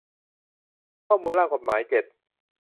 ข้อมูลร่างกฏหมาย เจ็ด